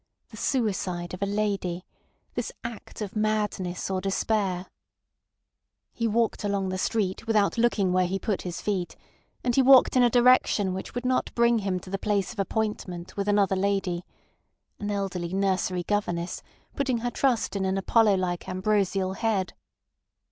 The suicide of a lady—this act of madness or despair. He walked along the street without looking where he put his feet; and he walked in a direction which would not bring him to the place of appointment with another lady (an elderly nursery governess putting her trust in an Apollo like ambrosial head).